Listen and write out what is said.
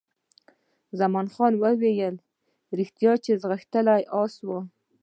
خان زمان وویل، ریښتیا چې غښتلی اس وو.